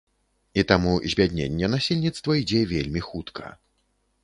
І таму збядненне насельніцтва ідзе вельмі хутка.